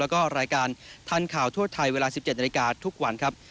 แล้วก็รายการทันข่าวทั่วไทยเวลา๑๗นาฬิกาทุกวันครับ